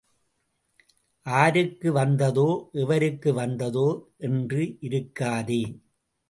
ஆருக்கு வந்ததோ, எவருக்கு வந்ததோ என்று இருக்காதே.